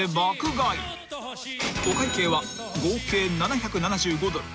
［お会計は合計７７５ドル